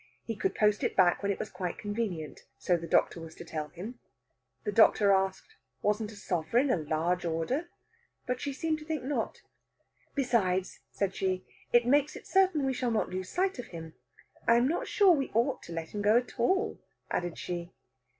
He could post it back when it was quite convenient, so the doctor was to tell him. The doctor asked, Wasn't a sovereign a large order? But she seemed to think not. "Besides," said she, "it makes it certain we shall not lose sight of him. I'm not sure we ought to let him go at all," added she.